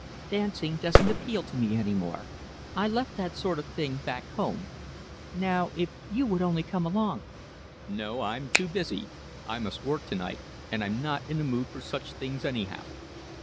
"Dancing doesn't appeal to me any more. I left that sort of thing back home. Now, if you would only come along " "No I'm too busy. I must work to night, and I'm not in a mood for such things, anyhow."